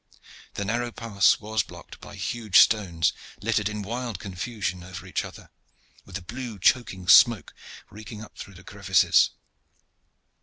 The narrow pass was blocked by huge stones littered in wild confusion over each other, with the blue choking smoke reeking up through the crevices.